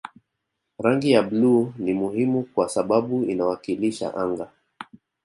Rangi ya bluu ni muhimu kwa sababu inawakilisha anga